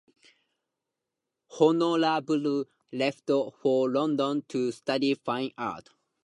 Honorable left for London to study fine art.